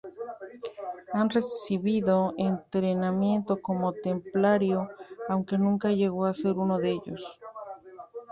Ha recibido entrenamiento como templario, aunque nunca llegó a ser uno de ellos.